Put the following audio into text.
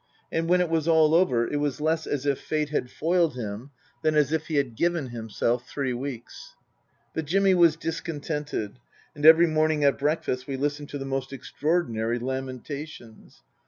And when it was all over it was less as if Fate had foiled him than as if he had " given " himself three weeks. But Jimmy was discontented, and every morning at breakfast we listened to the most extraordinary lamenta tions.